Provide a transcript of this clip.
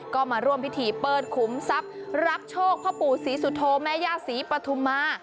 ก็มาร่วมพิธีเปิดขุมทรัพย์รับโชคพ่อปู่ศรีสุโธแม่ย่าศรีปฐุมา